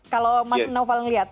kalau mas noval ngeliat